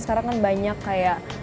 sekarang kan banyak kayak